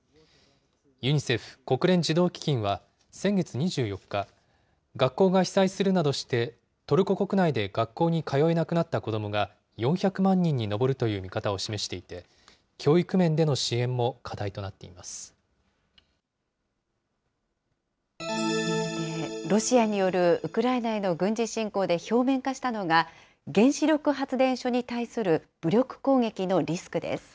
ユニセフ・国連児童基金は先月２４日、学校が被災するなどしてトルコ国内で学校に通えなくなった子どもが４００万人に上るという見方を示していて、教育面での支援も課続いて、ロシアによるウクライナへの軍事侵攻で表面化したのが、原子力発電所に対する武力攻撃のリスクです。